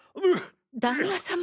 旦那様